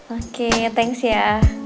oke thanks ya